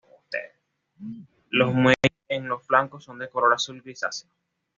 Los muelles en los flancos son de color azul grisáceo.